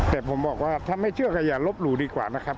แต่ผมบอกว่าถ้าไม่เชื่อก็อย่าลบหลู่ดีกว่านะครับ